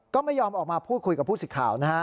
ก็ไม่ยอมออกมาพูดคุยกับผู้สิทธิ์ข่าวนะฮะ